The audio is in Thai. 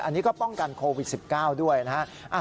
อันนี้ก็ป้องกันโควิด๑๙ด้วยนะฮะ